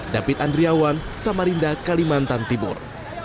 david andriawan samarinda kalimantan timur